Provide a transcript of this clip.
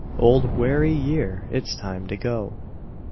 Old weary year! it's time to go.